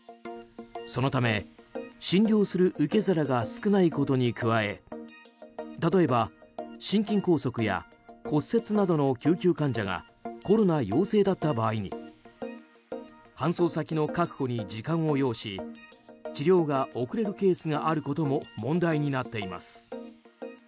そのため、診療する受け皿が少ないことに加え例えば、心筋梗塞や骨折などの救急患者がコロナ陽性だった場合に搬送先の確保に時間を要し治療が遅れるケースがあることも問題になっています。